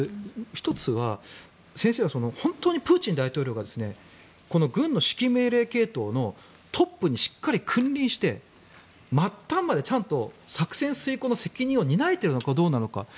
１つは先生は本当にプーチン大統領が軍の指揮命令系統のトップにしっかり君臨して末端までちゃんと作戦遂行の責任を担えているかどうなのか。